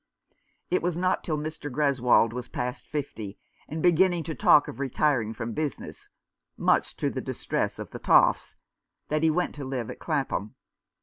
It was not till Mr. Greswold was past fifty, and beginning to talk of retiring from business — much to the distress of the toffs — that he went to live at Clapham.